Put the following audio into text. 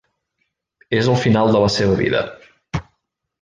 És al final de la seva vida.